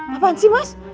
apaan sih mas